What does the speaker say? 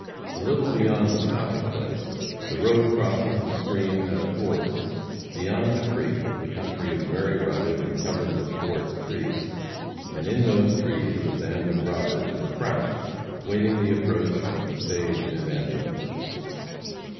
A little beyond the stopping place the road crosses the stream at a ford. Beyond the creek the country is very rugged, and covered with forest trees. And in those trees a band of robbers were crouched, waiting the approach of the stage and ambulances.